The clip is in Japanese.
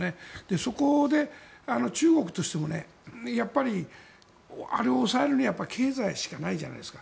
そこで中国としてもあれを抑えるには経済しかないじゃないですか。